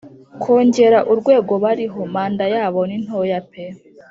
Kongera urwego bariho Manda yabo ni ntoya pe